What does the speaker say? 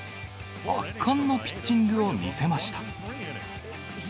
圧巻のピッチングを見せました。